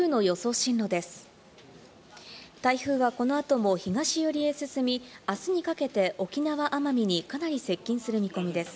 台風は、この後も東寄りへ進み、あすにかけて沖縄・奄美にかなり接近する見込みです。